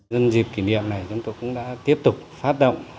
dân dịp kỷ niệm này chúng tôi cũng đã tiếp tục phát động